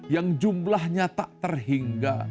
yang jumlahnya tak terhingga